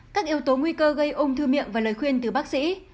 các yếu tố nguy cơ gây ung thư miệng và lời khuyên từ bác sĩ